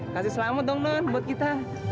kasih selamat dong buat kita